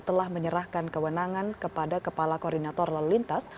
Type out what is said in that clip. telah menyerahkan kewenangan kepada kepala koordinator lalu lintas